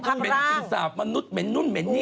จนยินทราพย์มนุษย์เหม็นนู่นเหม็นนี่